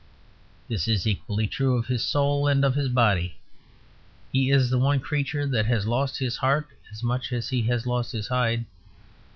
This is equally true of his soul and of his body; he is the one creature that has lost his heart as much as he has lost his hide.